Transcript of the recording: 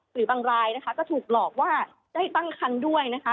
หรือบางรายนะคะก็ถูกหลอกว่าได้ตั้งคันด้วยนะคะ